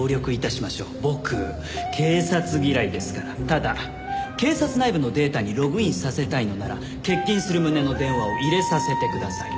ただ警察内部のデータにログインさせたいのなら欠勤する旨の電話を入れさせてください。